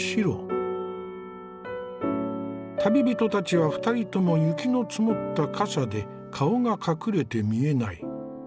旅人たちは２人とも雪の積もった笠で顔が隠れて見えない。